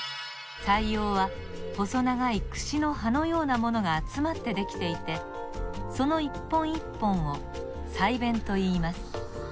鰓葉は細長いくしの歯のようなものがあつまってできていてこの一本一本を鰓弁といいます。